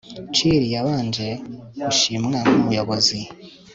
Chili yabanje gushimwa nkumuyobozi